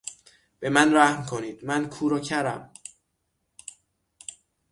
به من رحم کنید; من کور و کرم.